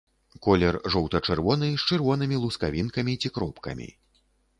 Колер жоўта-чырвоны, з чырвонымі лускавінкамі ці кропкамі.